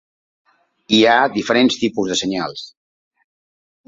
Hi ha diferents tipus de senyals.